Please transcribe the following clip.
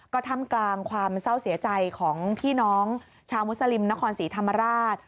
ก็ทำกลางความเศร้าเสียใจของพี่น้องชาวมุสลิมนครศรีธรรมราช